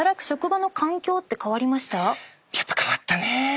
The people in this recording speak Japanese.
やっぱ変わったね。